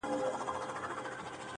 بيا نو منم چي په اختـر كي جــادو.